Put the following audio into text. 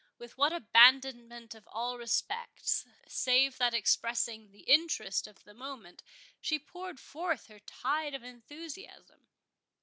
—with what abandonment of all respects, save that expressing the interest of the moment, she poured forth her tide of enthusiasm!